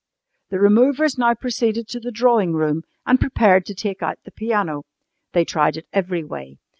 The removers now proceeded to the drawing room and prepared to take out the piano. They tried it every way.